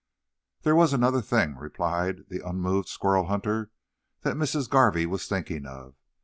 "Thar was another thing," replied the unmoved squirrel hunter, "that Missis Garvey was thinkin' of.